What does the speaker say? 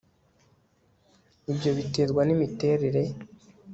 ibyo biterwa n'imiterere